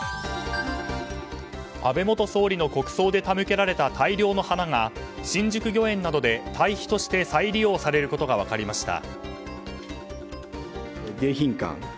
安倍元総理の国葬で手向けられた大量の花が新宿御苑などで堆肥として再利用されることが分かりました。